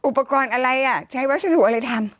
อุปกรณ์อะไรใช้วัสดุอะไรทำ